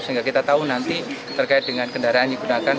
sehingga kita tahu nanti terkait dengan kendaraan yang digunakan